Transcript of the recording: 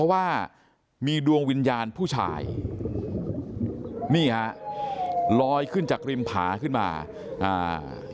ว่ามีดวงวิญญาณผู้ชายนี่ฮะลอยขึ้นจากริมผาขึ้นมาอ่า